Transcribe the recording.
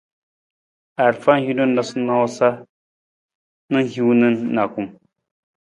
Arafa na hin noosanoosa na hiwung na nijakung.